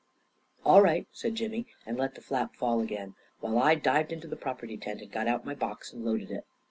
"All right," said Jimmy, and let the flap fall again; while I dived into the property tent, and got out my box and loaded it.